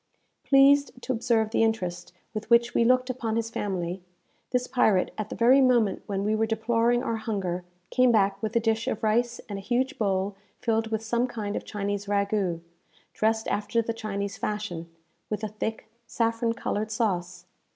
Pleased to observe the interest with which we looked upon his family, this pirate, at the very moment when we were deploring our hunger, came back with a dish of rice and a huge bowl filled with some kind of Chinese ragoût, dressed after the Chinese fashion, with a thick saffron coloured sauce.